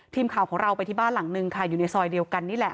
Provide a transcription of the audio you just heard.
ทีมข่าวของเราไปที่บ้านหลังนึงค่ะอยู่ในซอยเดียวกันนี่แหละ